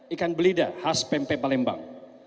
ikan belida khas pempek palembang